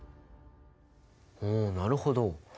おなるほど。